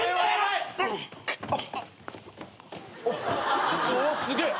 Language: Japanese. おすげえ。